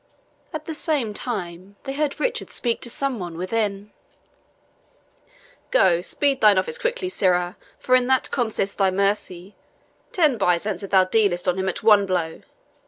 At the same time, they heard Richard speak to some one within: "Go, speed thine office quickly, sirrah, for in that consists thy mercy ten byzants if thou dealest on him at one blow.